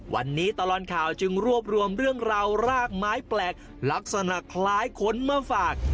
วันนี้ตลอดข่าวจึงรวบรวมเรื่องราวรากไม้แปลกลักษณะคล้ายคนมาฝาก